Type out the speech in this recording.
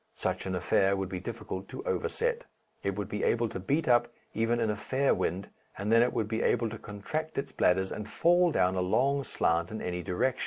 Such an affair would be difficult to overset. It would be able to beat up even in a fair wind, and then it would be able to contract its bladders and fall down a long slant in any direction.